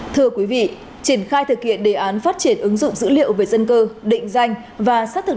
thưa quý vị triển khai thực hiện đề án phát triển ứng dụng dữ liệu về dân cư định danh và xác thực